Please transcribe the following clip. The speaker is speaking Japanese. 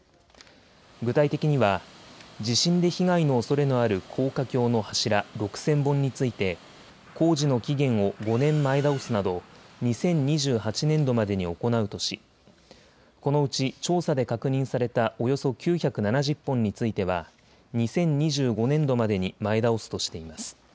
具体的には地震で被害のおそれのある高架橋の柱６０００本について工事の期限を５年、前倒すなど２０２８年度までに行うとしこのうち、調査で確認されたおよそ９７０本については２０２５年度までに前倒すとしています。